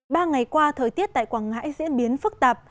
ba ngày qua thời tiết tại quảng ngãi diễn biến phức tạp